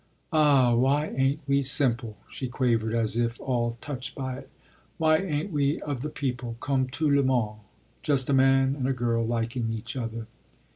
"Ah why ain't we simple?" she quavered as if all touched by it. "Why ain't we of the people comme tout le monde just a man and a girl liking each other?"